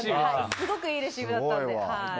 すごくいいレシーブだったので。